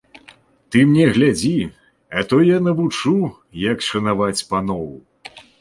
Ты мне глядзі, а то я навучу, як шанаваць паноў!